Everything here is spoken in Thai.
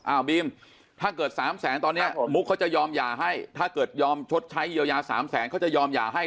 บีมถ้าเกิด๓แสนตอนนี้มุกเขาจะยอมหย่าให้ถ้าเกิดยอมชดใช้เยียวยา๓แสนเขาจะยอมหย่าให้